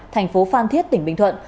thành phố phan thiết tỉnh bình thuận